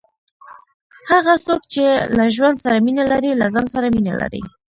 هغه څوک، چي له ژوند سره مینه لري، له ځان سره مینه لري.